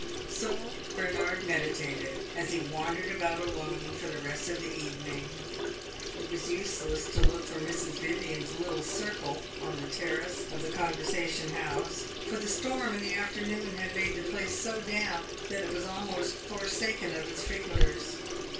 So Bernard meditated, as he wandered about alone for the rest of the evening. It was useless to look for Mrs. Vivian's little circle, on the terrace of the Conversation house, for the storm in the afternoon had made the place so damp that it was almost forsaken of its frequenters.